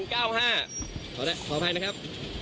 ถอด้ายขออภัยนะครับ